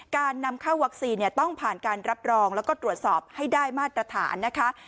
การนำเข้าวัคซีนต้องผ่านการรับรองแล้วก็ตรวจสอบให้ได้มาตรฐานนะคะ